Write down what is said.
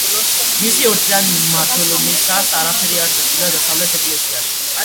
მისი ორწლიანი მმართველობისას არაფერი არ შეცვლილა დასავლეთის ეკლესიაში.